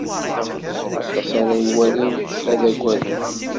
Aṭas ara iwalin, ad aggaden.